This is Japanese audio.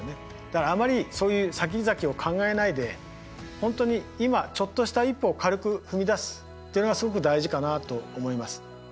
だからあまりそういうさきざきを考えないで本当に今ちょっとした一歩を軽く踏み出すっていうのがすごく大事かなと思います。